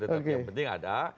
tetapi yang penting ada